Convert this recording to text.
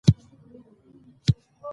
سفر یې د بایسکل سفرونو د دود بنسټ کیښود.